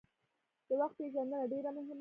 د وخت پېژندنه ډیره مهمه ده.